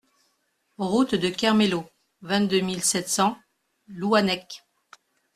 Route de Kermélo, vingt-deux mille sept cents Louannec